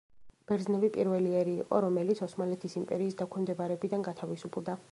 ბერძნები პირველი ერი იყო, რომელიც ოსმალეთის იმპერიის დაქვემდებარებიდან გათავისუფლდა.